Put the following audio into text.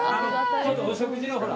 ちょっとお食事の、ほら。